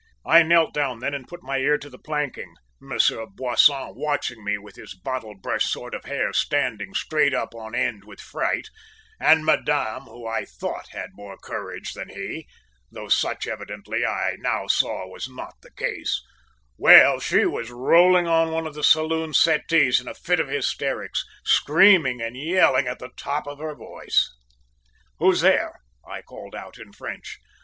"I knelt down then and put my ear to the planking, Monsieur Boisson watching me with his bottle brush sort of hair standing straight up on end with fright, and Madame, who I thought had more courage than he, though such, evidently, I now saw was not the case well, she was rolling on one of the saloon settees in a fit of hysterics, screaming and yelling at the top of her voice. "`Who's there?' I called out in French.